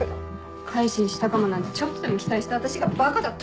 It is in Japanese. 改心したかもなんてちょっとでも期待した私がバカだった。